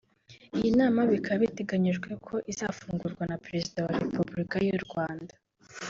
Iyi nama bikaba biteganyijwe ko izafungurwa na Perezida wa Repubulika y’u Rwanda